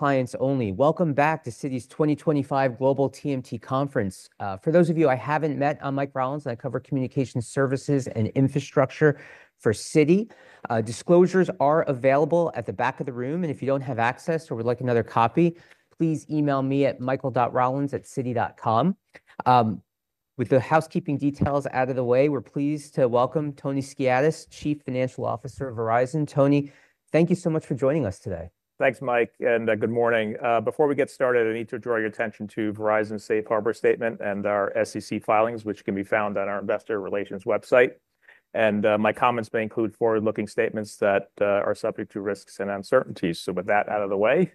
Welcome back to Citi's 2025 Global TMT Conference. For those of you I haven't met, I'm Mike Rollins, and I cover communication services and infrastructure for Citi. Disclosures are available at the back of the room, and if you don't have access or would like another copy, please email me at michael.rollins@citi.com. With the housekeeping details out of the way, we're pleased to welcome Tony Skiadas, Chief Financial Officer of Verizon. Tony, thank you so much for joining us today. Thanks, Mike, and good morning. Before we get started, I need to draw your attention to Verizon's safe harbor statement and our SEC filings, which can be found on our investor relations website. My comments may include forward-looking statements that are subject to risks and uncertainties. So with that out of the way,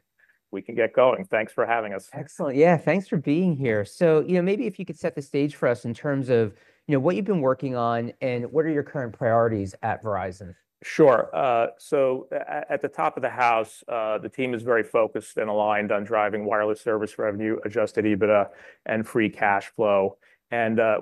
we can get going. Thanks for having us. Excellent. Yeah, thanks for being here. So maybe if you could set the stage for us in terms of what you've been working on, and what are your current priorities at Verizon? Sure. So at the top of the house, the team is very focused and aligned on driving wireless service revenue, Adjusted EBITDA and free cash flow.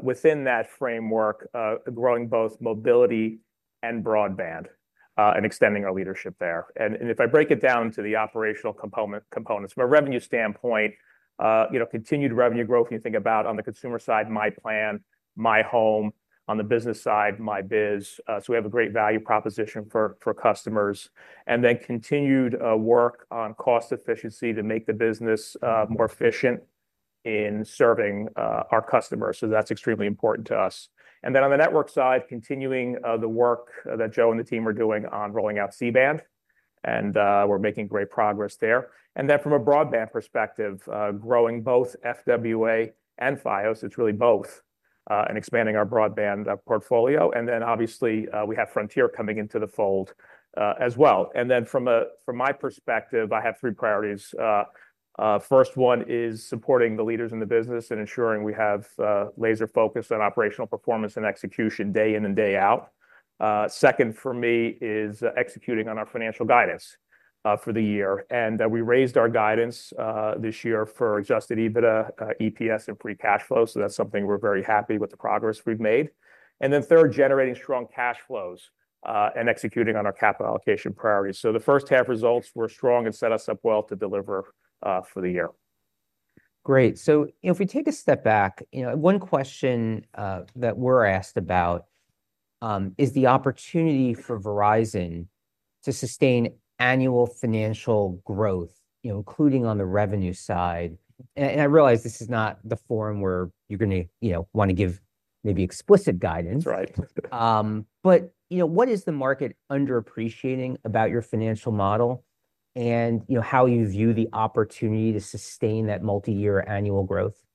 Within that framework, growing both mobility and broadband, and extending our leadership there. If I break it down to the operational component, from a revenue standpoint continued revenue growth, when you think about on the consumer side, myPlan, myHome, on the business side, myBiz. So we have a great value proposition for customers. And then continued work on cost efficiency to make the business more efficient in serving our customers, so that's extremely important to us. Then on the network side, continuing the work that Joe and the team are doing on rolling out C-band, and we're making great progress there. Then from a broadband perspective, growing both FWA and Fios, it's really both, and expanding our broadband portfolio. Then obviously, we have Frontier coming into the fold, as well. And then from my perspective, I have three priorities. First one is supporting the leaders in the business and ensuring we have laser focus on operational performance and execution, day in and day out. Second, for me, is executing on our financial guidance for the year. And we raised our guidance this year for Adjusted EBITDA, EPS, and Free Cash Flow, so that's something we're very happy with the progress we've made. Third, generating strong cash flows, and executing on our capital allocation priorities. So the H1 results were strong and set us up well to deliver, for the year. Great. So, if we take a step back one question that we're asked about is the opportunity for Verizon to sustain annual financial growth including on the revenue side. And I realize this is not the forum where you're gonna wanna give maybe explicit guidance. That's right. But what is the market underappreciating about your financial model, and how you view the opportunity to sustain that multi-year annual growth?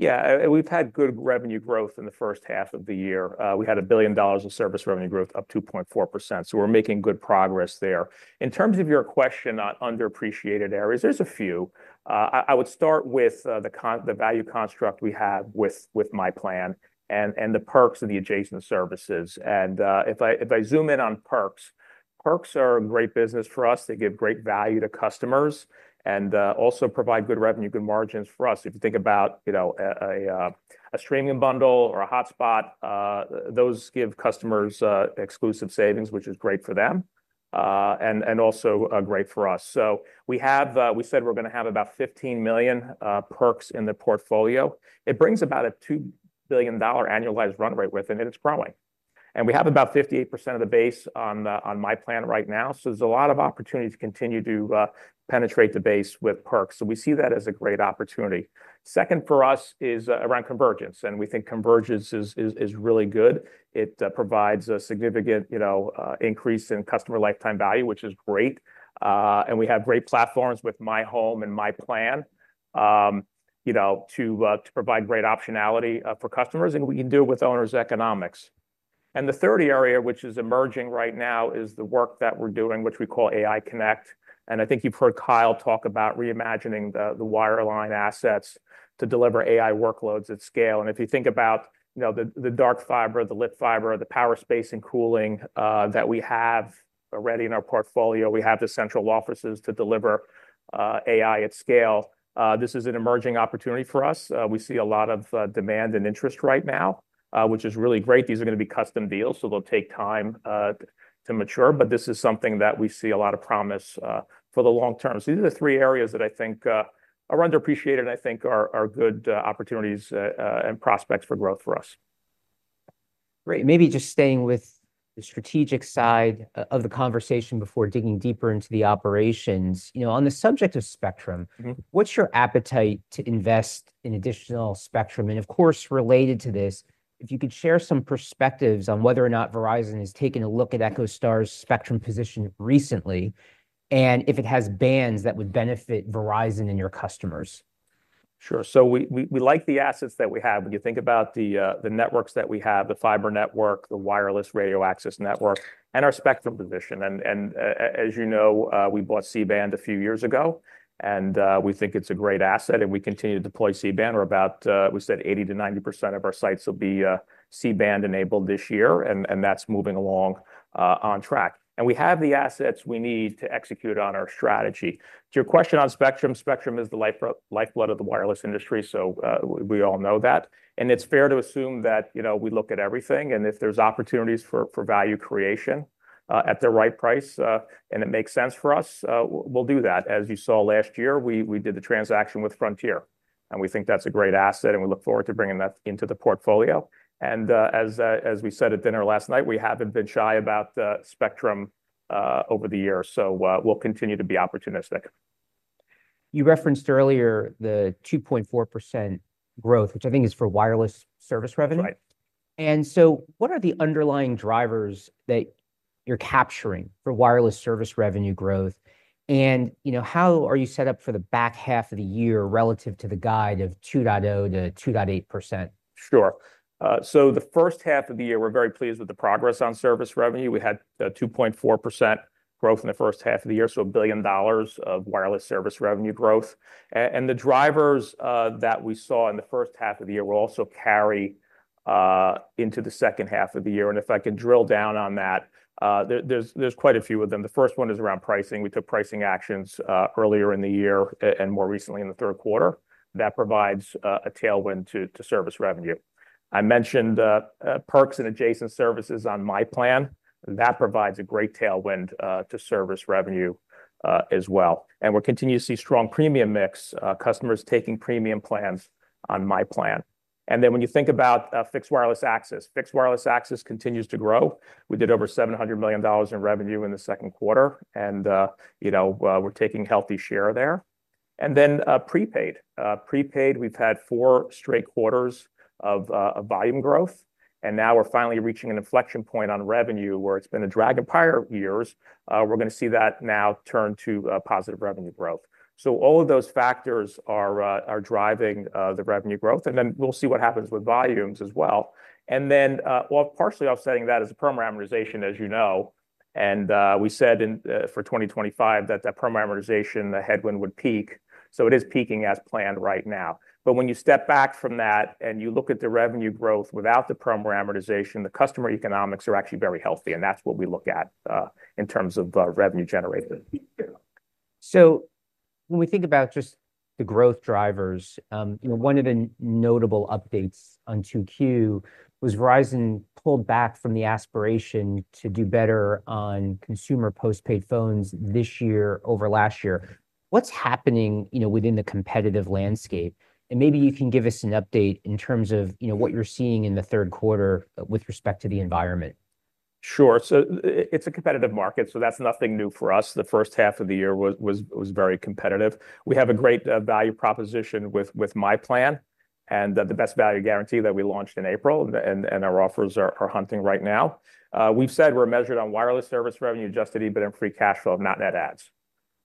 Yeah. We've had good revenue growth in the H1 of the year. We had $1 billion of service revenue growth, up 2.4%, so we're making good progress there. In terms of your question on underappreciated areas, there's a few. I would start with the value construct we have with myPlan, and the perks of the adjacent services. And if I zoom in on perks, perks are a great business for us. They give great value to customers and also provide good revenue, good margins for us. If you think about a streaming bundle or a hotspot, those give customers exclusive savings, which is great for them, and also great for us. So we said we're gonna have about 15 million perks in the portfolio. It brings about a $2 billion annualized run rate with it, and it's growing. We have about 58% of the base on myPlan right now, so there's a lot of opportunity to continue to penetrate the base with perks, so we see that as a great opportunity. Second, for us, is around convergence, and we think convergence is really good. It provides a significant increase in customer lifetime value, which is great. We have great platforms with myHome and myPlan to provide great optionality for customers, and we can do it with owners' economics. The third area, which is emerging right now, is the work that we're doing, which we call AI Connect. I think you've heard Kyle talk about reimagining the wireline assets to deliver AI workloads at scale. If you think about the dark fiber, the lit fiber, the power space and cooling that we have already in our portfolio, we have the central offices to deliver AI at scale. This is an emerging opportunity for us. We see a lot of demand and interest right now, which is really great. These are gonna be custom deals, so they'll take time to mature, but this is something that we see a lot of promise for the long term. These are the three areas that are underappreciated, and are good opportunities and prospects for growth for us. Great. Maybe just staying with the strategic side of the conversation before digging deeper into the operations. On the subject of spectrum. What's your appetite to invest in additional spectrum? And of course, related to this, if you could share some perspectives on whether or not Verizon has taken a look at EchoStar's spectrum position recently, and if it has bands that would benefit Verizon and your customers. Sure. So we like the assets that we have. When you think about the networks that we have, the fiber network, the wireless radio access network, and our spectrum position. And as we bought C-band a few years ago, and we think it's a great asset, and we continue to deploy C-band. We're about. We said 80%-90% of our sites will be C-band enabled this year, and that's moving along on track. And we have the assets we need to execute on our strategy. To your question on spectrum, spectrum is the lifeblood of the wireless industry, so we all know that. It's fair to assume that we look at everything, and if there's opportunities for value creation at the right price, and it makes sense for us, we'll do that. As you saw last year, we did the transaction with Frontier, and we think that's a great asset, and we look forward to bringing that into the portfolio. As we said at dinner last night, we haven't been shy about spectrum over the years, so we'll continue to be opportunistic. You referenced earlier the 2.4% growth, which I think is for wireless service revenue? Right. What are the underlying drivers that you're capturing for wireless service revenue growth? How are you set up for the back half of the year relative to the guide of 2.0%-2.8%? Sure. So the H1 of the year, we're very pleased with the progress on service revenue. We had 2.4% growth in the H1 of the year, so $1 billion of wireless service revenue growth. And the drivers that we saw in the H1 of the year will also carry into the second half of the year. And if I can drill down on that, there's quite a few of them. The first one is around pricing. We took pricing actions earlier in the year and more recently in the Q3. That provides a tailwind to service revenue. I mentioned perks and adjacent services on myPlan. That provides a great tailwind to service revenue as well. We're continuing to see strong premium mix, customers taking premium plans on myPlan. Then when you think about fixed wireless access, fixed wireless access continues to grow. We did over $700 million in revenue in the Q2. We're taking healthy share there. Then prepaid. Prepaid, we've had four straight quarters of volume growth, and now we're finally reaching an inflection point on revenue, where it's been a drag in prior years. We're gonna see that now turn to positive revenue growth. All of those factors are driving the revenue growth, and then we'll see what happens with volumes as well. Then, well, partially offsetting that is the promo amortization, as we said in, for 2025, that that promo amortization, the headwind, would peak, so it is peaking as planned right now. But when you step back from that, and you look at the revenue growth without the promo amortization, the customer economics are actually very healthy, and that's what we look at in terms of revenue generation. So when we think about just the growth drivers, one of the notable updates on 2Q was Verizon pulled back from the aspiration to do better on consumer postpaid phones this year over last year. What's happening within the competitive landscape? And maybe you can give us an update in terms of what you're seeing in the Q3 with respect to the environment? Sure, so it's a competitive market, so that's nothing new for us. The H1 of the year was very competitive. We have a great value proposition with myPlan, and the Best Value Guarantee that we launched in April, and our offers are hunting right now. We've said we're measured on wireless service revenue, Adjusted EBITDA and Free Cash Flow, not net adds,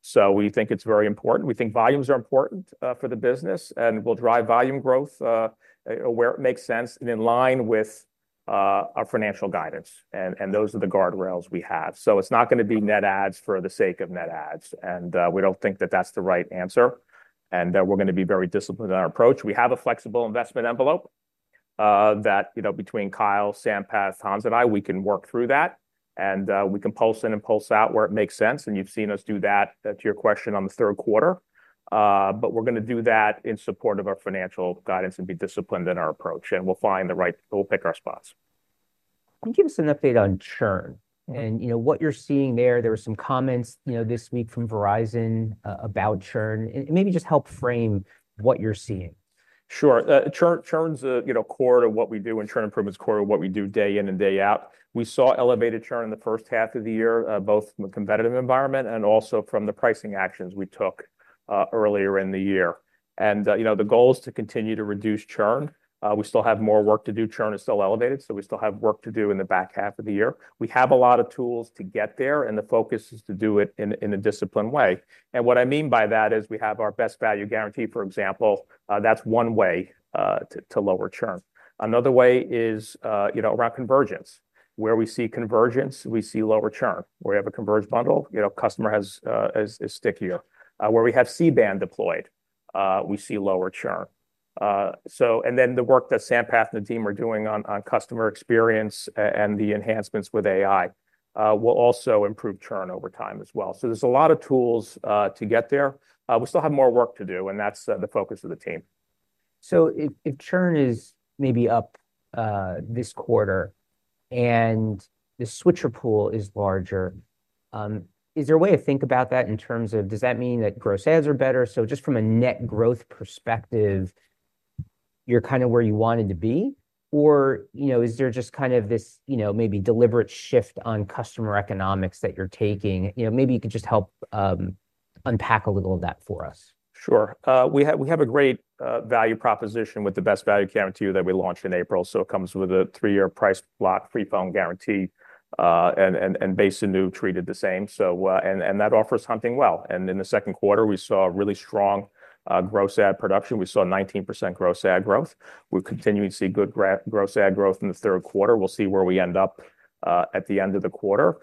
so we think it's very important. We think volumes are important for the business and will drive volume growth where it makes sense and in line with our financial guidance, and those are the guardrails we have, so it's not gonna be net adds for the sake of net adds, and we don't think that that's the right answer, and we're gonna be very disciplined in our approach. We have a flexible investment envelope, that between Kyle, Sampath, Hans, and I, we can work through that, and, we can pulse in and pulse out where it makes sense, and you've seen us do that, to your question, on the Q3, but we're gonna do that in support of our financial guidance and be disciplined in our approach, and we'll find the right... We'll pick our spots. Can you give us an update on churn, and what you're seeing there? There were some comments this week from Verizon, about churn. And maybe just help frame what you're seeing. Sure. Churn's core to what we do, and churn improvement's core to what we do day in and day out. We saw elevated churn in the H1 of the year, both from a competitive environment and also from the pricing actions we took earlier in the year. And the goal is to continue to reduce churn. We still have more work to do. Churn is still elevated, so we still have work to do in the back half of the year. We have a lot of tools to get there, and the focus is to do it in a disciplined way. What I mean by that is, we have our Best Value Guarantee, for example. That's one way to lower churn. Another way is around convergence. Where we see convergence, we see lower churn. Where we have a converged bundle customer is stickier. Where we have C-band deployed, we see lower churn, so and then the work that Sampath and the team are doing on customer experience and the enhancements with AI will also improve churn over time as well, so there's a lot of tools to get there. We still have more work to do, and that's the focus of the team. So if Churn is maybe up this quarter, and the switcher pool is larger, is there a way to think about that in terms of, does that mean that gross adds are better? So just from a net growth perspective, you're kind of where you wanted to be, or is there just kind of this maybe deliberate shift on customer economics that you're taking? Maybe you could just help unpack a little of that for us. Sure. We have a great value proposition with the Best Value Guarantee that we launched in April, so it comes with a three-year price lock, free phone guarantee, and base and new treated the same. That offer's hitting well. And in the Q2, we saw really strong gross add production. We saw 19% gross add growth. We're continuing to see good gross add growth in the Q3. We'll see where we end up at the end of the quarter.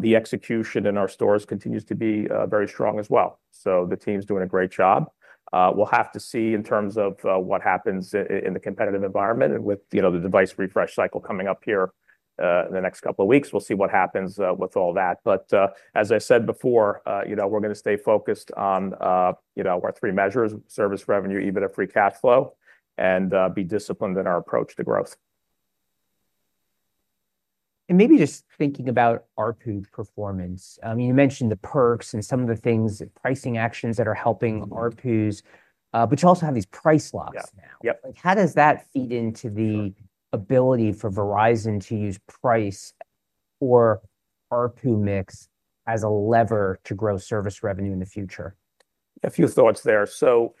The execution in our stores continues to be very strong as well, so the team's doing a great job. We'll have to see in terms of what happens in the competitive environment and with the device refresh cycle coming up here in the next couple of weeks. We'll see what happens with all that. But as I said before we're gonna stay focused on our three measures: service revenue, EBITDA, free cash flow, and be disciplined in our approach to growth. Maybe just thinking about ARPU performance. You mentioned the perks and some of the things, the pricing actions that are helping ARPUs, but you also have these price locks now. Yeah. Yep. Like, how does that feed into the ability for Verizon to use price or ARPU mix as a lever to grow service revenue in the future? A few thoughts there. So,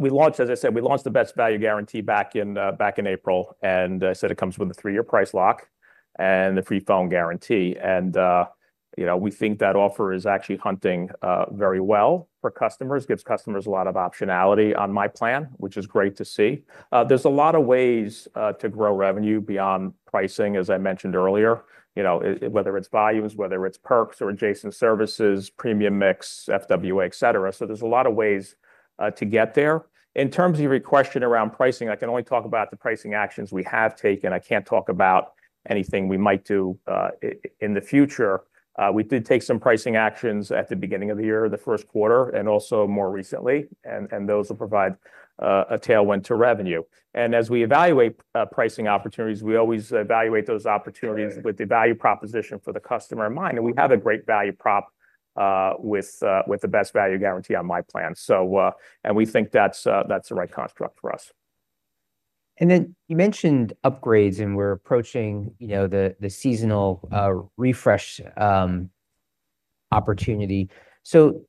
we launched, as I said, we launched the Best Value Guarantee back in back in April, and I said it comes with a three-year price lock and a free phone guarantee. And we think that offer is actually resonating very well for customers. Gives customers a lot of optionality on myPlan, which is great to see. There's a lot of ways to grow revenue beyond pricing, as I mentioned earlier whether it's volumes, whether it's perks or adjacent services, premium mix, FWA, et cetera. So there's a lot of ways to get there. In terms of your question around pricing, I can only talk about the pricing actions we have taken. I can't talk about anything we might do in the future. We did take some pricing actions at the beginning of the year, the Q1, and also more recently, and those will provide a tailwind to revenue. And as we evaluate pricing opportunities, we always evaluate those opportunities with the value proposition for the customer in mind, and we have a great value prop with the Best Value Guarantee on myPlan. So, and we think that's the right construct for us. And then you mentioned upgrades, and we're approaching the seasonal refresh opportunity. So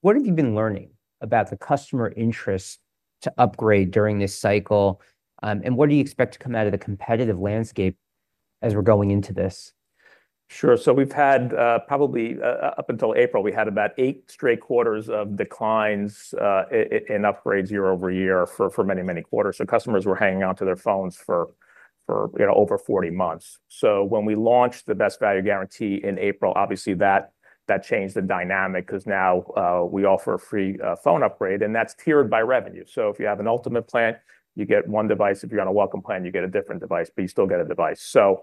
what have you been learning about the customer interest to upgrade during this cycle, and what do you expect to come out of the competitive landscape as we're going into this? Sure. So we've had, probably, up until April, we had about 8 straight quarters of declines in upgrades year over year for many, many quarters. So customers were hanging on to their phones for over 40 months. So when we launched the Best Value Guarantee in April, obviously that changed the dynamic, 'cause now, we offer a free phone upgrade, and that's tiered by revenue. So if you have an Ultimate plan, you get one device. If you're on a Welcome plan, you get a different device, but you still get a device. So,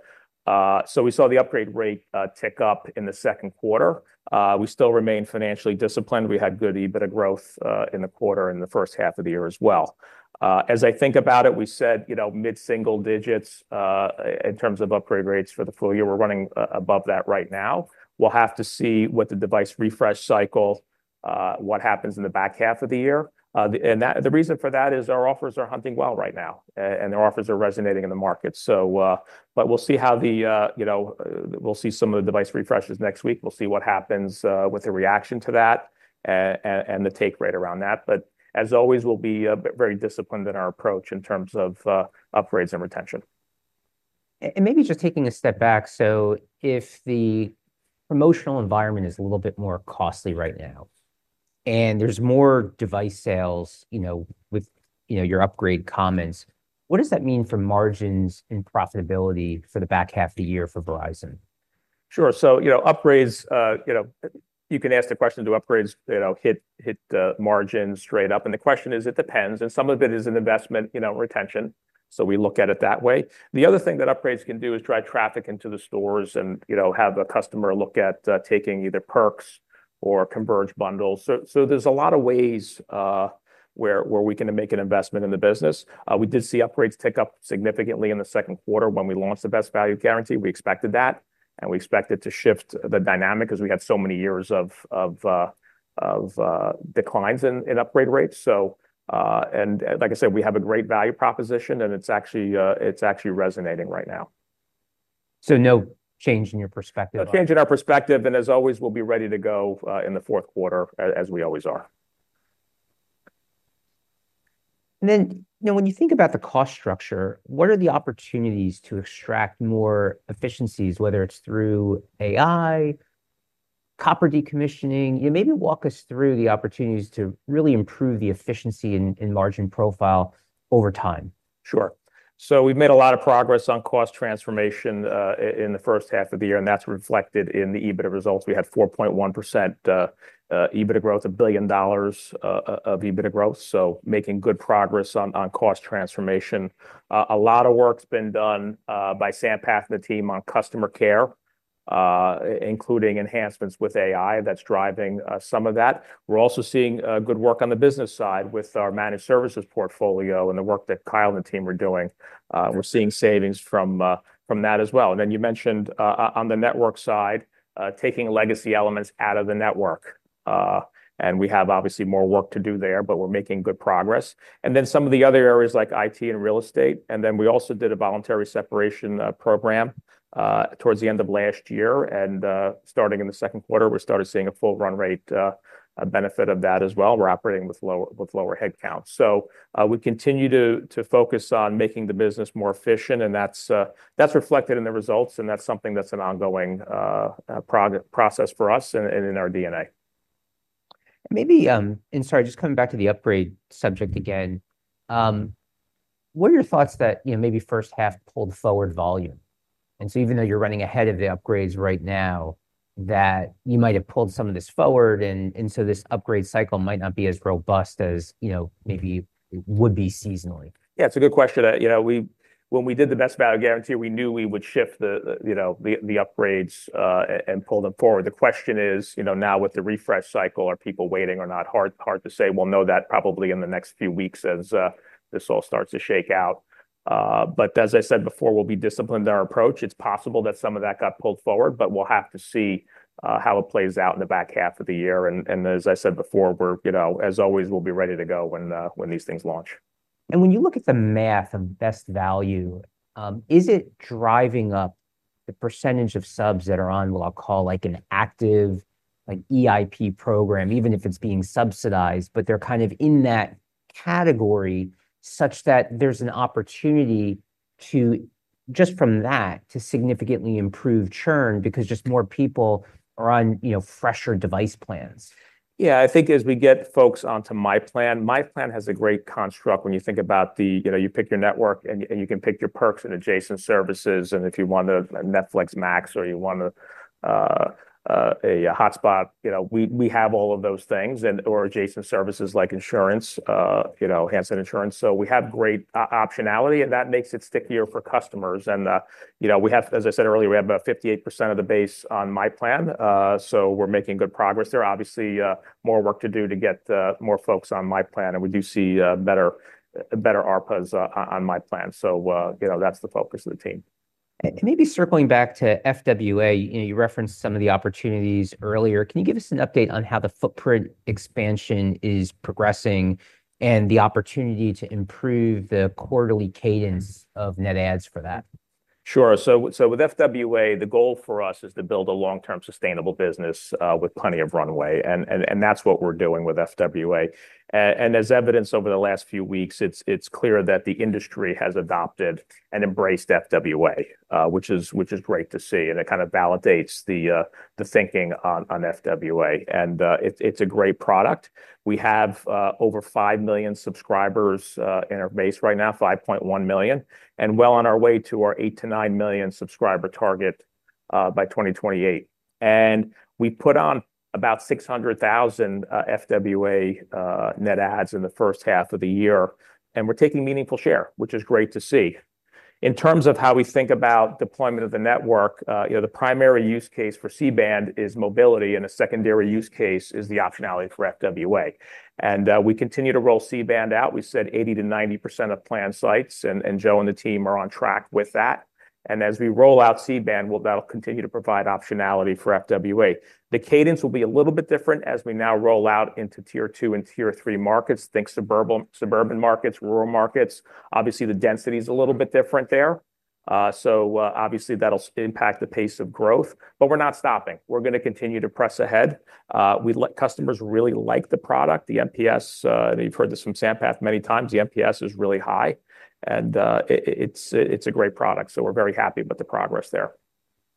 so we saw the upgrade rate tick up in the Q2. We still remain financially disciplined. We had good EBITDA growth in the quarter, in the H1 of the year as well. As I think about it, we said mid-single digits in terms of upgrade rates for the full year. We're running above that right now. We'll have to see what the device refresh cycle what happens in the back half of the year. And the reason for that is our offers are hunting well right now, and our offers are resonating in the market. So, but we'll see some of the device refreshes next week. We'll see what happens with the reaction to that, and the take rate around that. But as always, we'll be very disciplined in our approach in terms of upgrades and retention. And maybe just taking a step back, so if the promotional environment is a little bit more costly right now, and there's more device sales with your upgrade comments, what does that mean for margins and profitability for the back half of the year for Verizon? Sure. So, upgrades. You can ask the question, do upgrades hit margins straight up? And the question is, it depends, and some of it is an investment in our retention, so we look at it that way. The other thing that upgrades can do is drive traffic into the stores and have a customer look at taking either perks or converged bundles. So there's a lot of ways where we can make an investment in the business. We did see upgrades tick up significantly in the Q2 when we launched the Best Value Guarantee. We expected that, and we expect it to shift the dynamic, 'cause we had so many years of declines in upgrade rates. Like I said, we have a great value proposition, and it's actually resonating right now. So no change in your perspective on- No change in our perspective, and as always, we'll be ready to go, in the Q4 as we always are. And then, when you think about the cost structure, what are the opportunities to extract more efficiencies, whether it's through AI, copper decommissioning? Yeah, maybe walk us through the opportunities to really improve the efficiency and margin profile over time. Sure. So we've made a lot of progress on cost transformation in the H1 of the year, and that's reflected in the EBITDA results. We had 4.1% EBITDA growth, $1 billion of EBITDA growth, so making good progress on cost transformation. A lot of work's been done by Sampath and the team on customer care, including enhancements with AI. That's driving some of that. We're also seeing good work on the business side with our managed services portfolio and the work that Kyle and the team are doing. We're seeing savings from that as well. And then you mentioned on the network side taking legacy elements out of the network, and we have obviously more work to do there, but we're making good progress. And then some of the other areas, like IT and real estate, and then we also did a voluntary separation program towards the end of last year. And starting in the Q2, we started seeing a full run rate benefit of that as well. We're operating with lower headcount. So we continue to focus on making the business more efficient, and that's reflected in the results, and that's something that's an ongoing process for us and in our DNA. Maybe, and sorry, just coming back to the upgrade subject again, what are your thoughts that maybe H1 pulled forward volume? And so even though you're running ahead of the upgrades right now, that you might have pulled some of this forward, and, and so this upgrade cycle might not be as robust as maybe it would be seasonally? Yeah, it's a good question. When we did the Best Value Guarantee, we knew we would shift the upgrades and pull them forward. The question is, now with the refresh cycle, are people waiting or not? Hard to say. We'll know that probably in the next few weeks as this all starts to shake out. But as I said before, we'll be disciplined in our approach. It's possible that some of that got pulled forward, but we'll have to see how it plays out in the back half of the year. And as I said before, we're always, we'll be ready to go when these things launch. When you look at the math of Best Value, is it driving up the percentage of subs that are on, what I'll call, like, an active, like, EIP program, even if it's being subsidized, but they're kind of in that category, such that there's an opportunity to, just from that, to significantly improve churn because just more people are on fresher device plans. Yeah, As we get folks onto myPlan, myPlan has a great construct when you think about the you pick your network, and you can pick your perks and adjacent services, and if you want a Netflix and Max or you want a hotspot, we have all of those things and or adjacent services like handset insurance. So we have great optionality, and that makes it stickier for customers. We have, as I said earlier, we have about 58% of the base on myPlan. So we're making good progress there. Obviously, more work to do to get more folks on myPlan, and we do see better ARPUs on myPlan. So, that's the focus of the team. And maybe circling back to FWA, you referenced some of the opportunities earlier. Can you give us an update on how the footprint expansion is progressing and the opportunity to improve the quarterly cadence of net adds for that? Sure. With FWA, the goal for us is to build a long-term sustainable business with plenty of runway, and that's what we're doing with FWA. As evidenced over the last few weeks, it's clear that the industry has adopted and embraced FWA, which is great to see and it kind of validates the thinking on FWA it's a great product. We have over 5 million subscribers in our base right now, 5.1 million on our way to our 8 to 9 million subscriber target by 2028. We put on about 600,000 FWA net adds in the H1 of the year, and we're taking meaningful share, which is great to see. In terms of how we think about deployment of the network the primary use case for C-band is mobility and a secondary use case is the optionality for FWA, and we continue to roll C-band out. We said 80%-90% of planned sites, and Joe and the team are on track with that, and as we roll out C-band, well, that'll continue to provide optionality for FWA. The cadence will be a little bit different as we now roll out into Tier 2 and Tier 3 markets, think suburban markets, rural markets. Obviously, the density is a little bit different there, so obviously, that'll impact the pace of growth, but we're not stopping. We're going to continue to press ahead. Customers really like the product, the NPS, and you've heard this from Sampath many times, the NPS is really high, and it's a great product, so we're very happy about the progress there.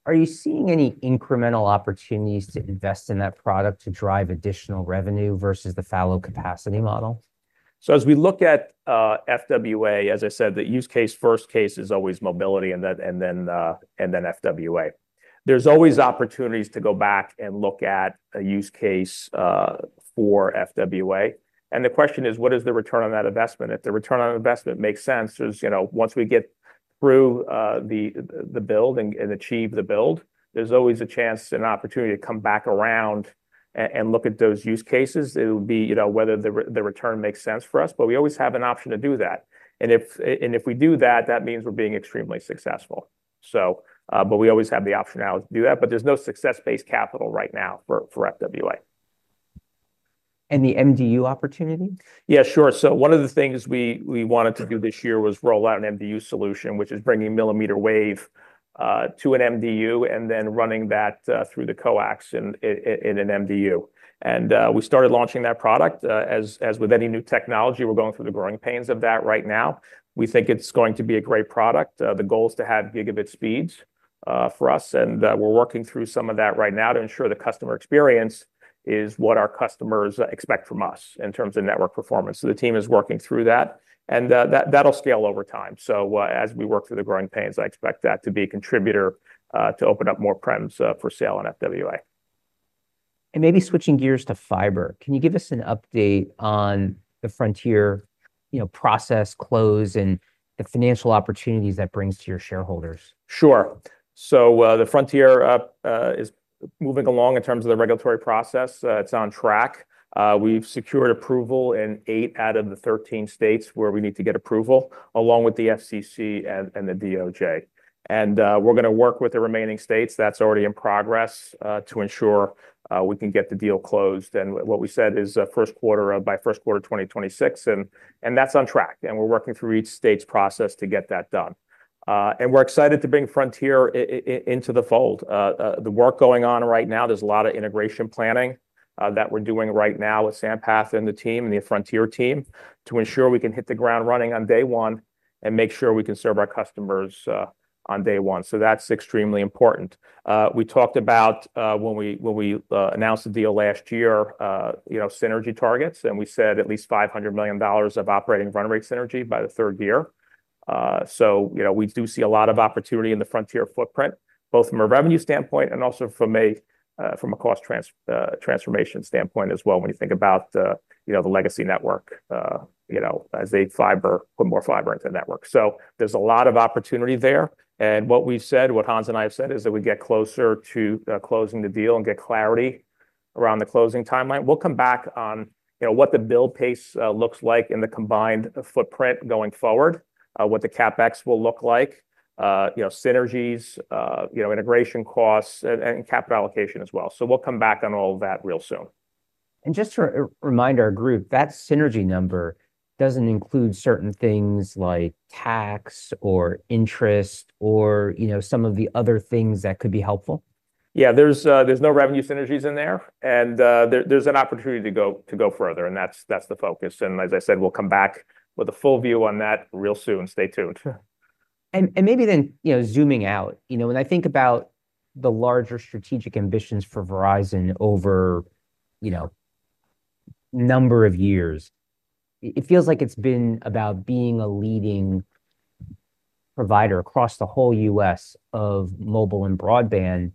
Are you seeing any incremental opportunities to invest in that product to drive additional revenue versus the fallow capacity model? So as we look at FWA, as I said, the use case, first case is always mobility, and then FWA. There's always opportunities to go back and look at a use case for FWA, and the question is, what is the return on that investment? If the return on investment makes sense, there once we get through the build and achieve the build, there's always a chance and opportunity to come back around and look at those use cases. It'll be whether the return makes sense for us, but we always have an option to do that. And if we do that, that means we're being extremely successful. So, but we always have the optionality to do that, but there's no success-based capital right now for FWA. The MDU opportunity? Yeah, sure. So one of the things we wanted to do this year was roll out an MDU solution, which is bringing millimeter wave to an MDU, and then running that through the coax in an MDU. And we started launching that product. As with any new technology, we're going through the growing pains of that right now. We think it's going to be a great product. The goal is to have gigabit speeds for us, and we're working through some of that right now to ensure the customer experience is what our customers expect from us in terms of network performance. So the team is working through that, and that'll scale over time. As we work through the growing pains, I expect that to be a contributor to open up more prems for sale on FWA. And maybe switching gears to fiber, can you give us an update on the Frontier process close and the financial opportunities that brings to your shareholders? Sure. So, the Frontier is moving along in terms of the regulatory process. It's on track. We've secured approval in eight out of the 13 states where we need to get approval, along with the FCC and the DOJ. And we're gonna work with the remaining states. That's already in progress to ensure we can get the deal closed. And what we said is, Q1 by Q1 2026, and that's on track, and we're working through each state's process to get that done. And we're excited to bring Frontier into the fold. The work going on right now, there's a lot of integration planning that we're doing right now with Sampath and the team, and the Frontier team, to ensure we can hit the ground running on day one and make sure we can serve our customers on day one. So that's extremely important. We talked about when we announced the deal last year, Synergy targets, and we said at least $500 million of operating run rate synergy by the third year. So we do see a lot of opportunity in the Frontier footprint, both from a revenue standpoint and also from a cost transformation standpoint as well, when you think about the legacy network as they put more fiber into the network. So there's a lot of opportunity there, and what we've said, what Hans and I have said is that we get closer to closing the deal and get clarity around the closing timeline. We'll come back on, what the build pace looks like in the combined footprint going forward, what the CapEx will look like synergies, integration costs, and capital allocation as well. So we'll come back on all of that real soon. Just to remind our group, that synergy number doesn't include certain things like tax or interest or some of the other things that could be helpful? Yeah, there's no revenue synergies in there, and there's an opportunity to go further, and that's the focus. And as I said, we'll come back with a full view on that real soon. Stay tuned. Sure. And maybe then zooming out when I think about the larger strategic ambitions for Verizon over number of years, it feels like it's been about being a leading provider across the whole U.S. of mobile and broadband,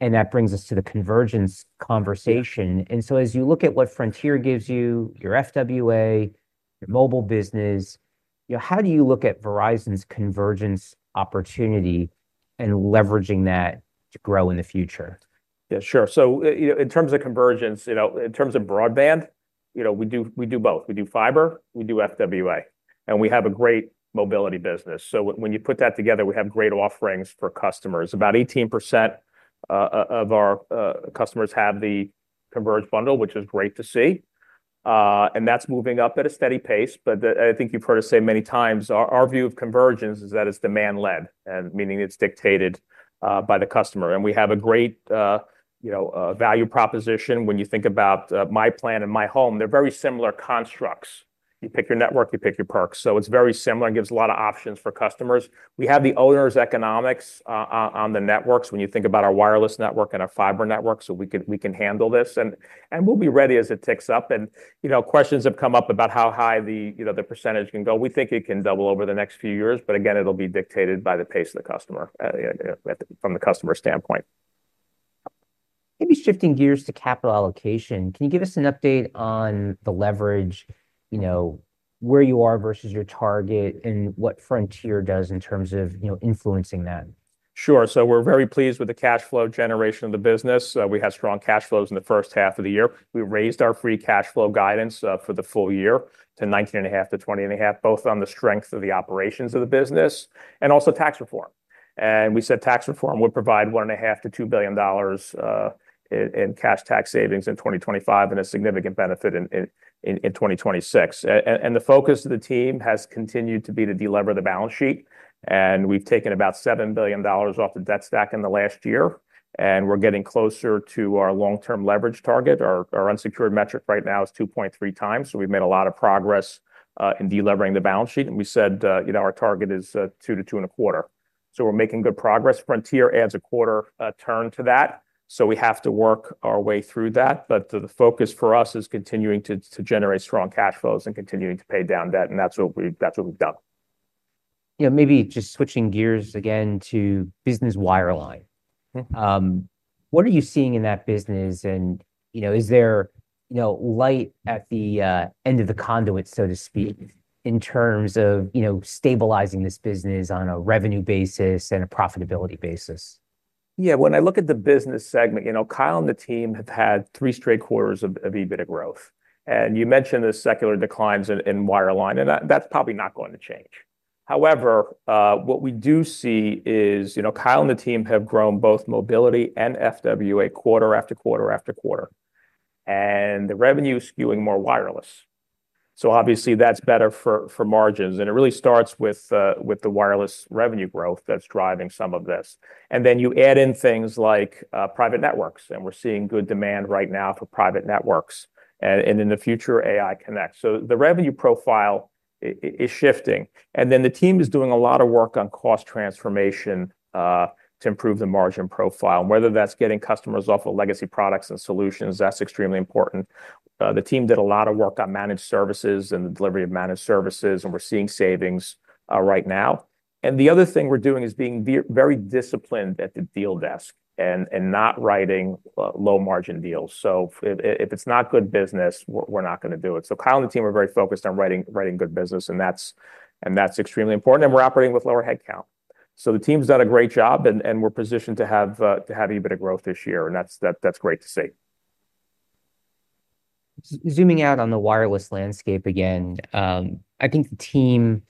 and that brings us to the convergence conversation. Yeah. And so as you look at what Frontier gives you, your FWA, your mobile business, how do you look at Verizon's convergence opportunity and leveraging that to grow in the future? Yeah, sure. So in terms of convergence, in terms of broadband, we do both. We do fiber, we do FWA, and we have a great mobility business. So when you put that together, we have great offerings for customers. About 18% of our customers have the converged bundle, which is great to see, and that's moving up at a steady pace. But I think you've heard us say many times, our view of convergence is that it's demand-led, and meaning it's dictated by the customer. And we have a great value proposition. When you think about myPlan and myHome, they're very similar constructs. You pick your network, you pick your perks. So it's very similar and gives a lot of options for customers. We have the owner's economics on the networks when you think about our wireless network and our fiber network, so we can handle this, and we'll be ready as it ticks up. Questions have come up about how high the percentage can go. We think it can double over the next few years, but again, it'll be dictated by the pace of the customer from the customer standpoint. Maybe shifting gears to capital allocation, can you give us an update on the leverage where you are versus your target and what Frontier does in terms of influencing that? Sure. So we're very pleased with the cash flow generation of the business. We had strong cash flows in the H1 of the year. We raised our free cash flow guidance for the full year to 19.5-20.5, both on the strength of the operations of the business and also tax reform. And we said tax reform would provide $1.5-$2 billion in cash tax savings in 2025, and a significant benefit in 2026. And the focus of the team has continued to be to delever the balance sheet, and we've taken about $7 billion off the debt stack in the last year, and we're getting closer to our long-term leverage target. Our unsecured metric right now is 2.3 times, so we've made a lot of progress in delevering the balance sheet, and we said, our target is two to two and a quarter. So we're making good progress. Frontier adds a quarter turn to that, so we have to work our way through that. But the focus for us is continuing to generate strong cash flows and continuing to pay down debt, and that's what we've done. Maybe just switching gears again to business wireline. What are you seeing in that business? Is there light at the end of the conduit, so to speak, in terms of stabilizing this business on a revenue basis and a profitability basis? Yeah, when I look at the business segment Kyle and the team have had three straight quarters of EBITDA growth. And you mentioned the secular declines in wireline, and that's probably not going to change. However, what we do see is Kyle and the team have grown both mobility and FWA quarter after quarter after quarter, and the revenue is skewing more wireless. So obviously, that's better for margins, and it really starts with the wireless revenue growth that's driving some of this. And then you add in things like private networks, and we're seeing good demand right now for private networks, and in the future, AI Connect. So the revenue profile is shifting, and then the team is doing a lot of work on cost transformation to improve the margin profile. And whether that's getting customers off of legacy products and solutions, that's extremely important. The team did a lot of work on managed services and the delivery of managed services, and we're seeing savings right now. And the other thing we're doing is being very disciplined at the deal desk and not writing low-margin deals. So if, if it's not good business, we're not gonna do it. So Kyle and the team are very focused on writing good business, and that's extremely important, and we're operating with lower headcount. So the team's done a great job, and we're positioned to have EBITDA growth this year, and that's great to see. Zooming out on the wireless landscape again, I think the team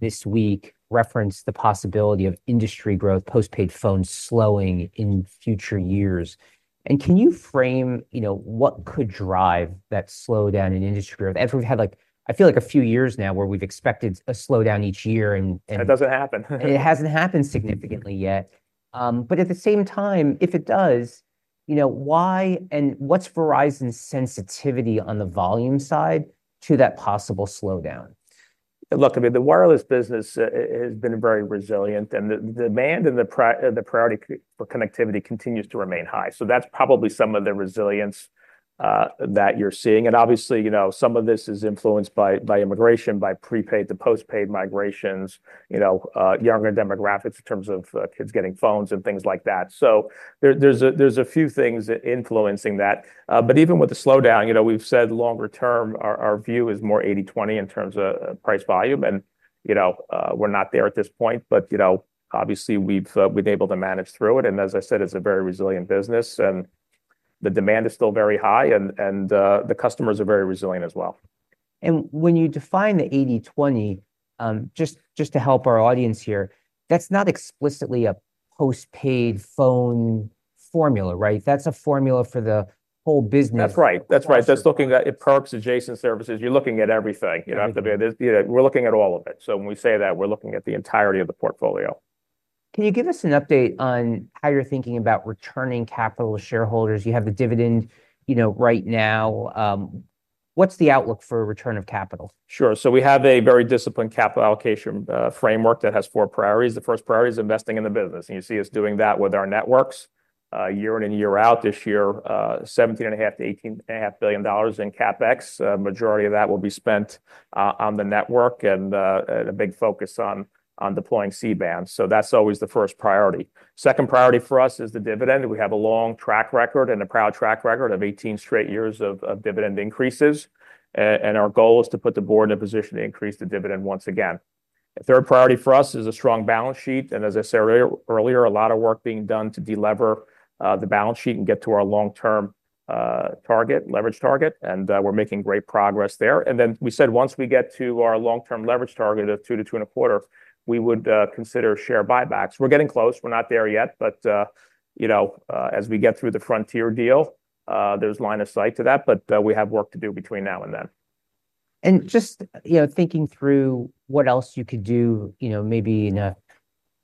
this week referenced the possibility of industry growth, postpaid phones slowing in future years. And can you frame, what could drive that slowdown in industry growth? And we've had, like, I feel like a few years now, where we've expected a slowdown each year, and, and- It doesn't happen. It hasn't happened significantly yet. But at the same time, if it does, why, and what's Verizon's sensitivity on the volume side to that possible slowdown? Look, the wireless business has been very resilient, and the demand and the priority for connectivity continues to remain high. So that's probably some of the resilience that you're seeing. And obviously, some of this is influenced by immigration, by prepaid to postpaid migrations younger demographics in terms of kids getting phones and things like that. So there, there's a few things influencing that. But even with the slowdown, we've said longer term, our view is more 80/20 in terms of price volume. We're not there at this point, but obviously we've been able to manage through it, and as I said, it's a very resilient business, and the demand is still very high, and the customers are very resilient as well. When you define the 80/20, just to help our audience here, that's not explicitly a post-paid phone formula, right? That's a formula for the whole business. That's right. That's looking at products, adjacent services. You're looking at everything. Yeah, we're looking at all of it. So when we say that, we're looking at the entirety of the portfolio. Can you give us an update on how you're thinking about returning capital to shareholders? You have the dividend right now. What's the outlook for return of capital? Sure. So we have a very disciplined capital allocation framework that has four priorities. The first priority is investing in the business, and you see us doing that with our networks year in and year out. This year, $17.5-$18.5 billion in CapEx. A majority of that will be spent on the network and a big focus on deploying C-band. So that's always the first priority. Second priority for us is the dividend. We have a long track record and a proud track record of 18 straight years of dividend increases. And our goal is to put the board in a position to increase the dividend once again. The third priority for us is a strong balance sheet, and as I said earlier, a lot of work being done to delever the balance sheet and get to our long-term target, leverage target, and we're making great progress there. And then we said once we get to our long-term leverage target of two to two and a quarter, we would consider share buybacks. We're getting close. We're not there yet, but as we get through the Frontier deal, there's line of sight to that, but we have work to do between now and then. And just thinking through what else you could do maybe in a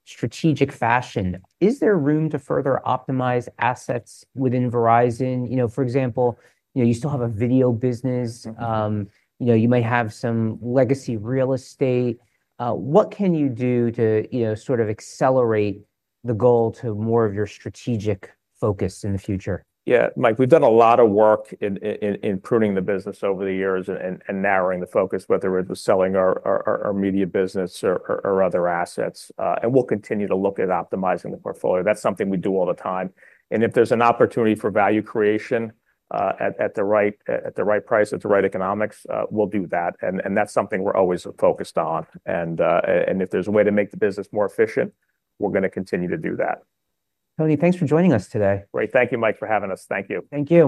strategic fashion, is there room to further optimize assets within Verizon? For example you still have a video business. You may have some legacy real estate. What can you do to sort of accelerate the goal to more of your strategic focus in the future? Yeah, Mike, we've done a lot of work in pruning the business over the years and narrowing the focus, whether it was selling our media business or other assets. And we'll continue to look at optimizing the portfolio. That's something we do all the time, and if there's an opportunity for value creation, at the right price, at the right economics, we'll do that, and that's something we're always focused on. And if there's a way to make the business more efficient, we're gonna continue to do that. Tony, thanks for joining us today. Great. Thank you, Mike, for having us. Thank you. Thank you.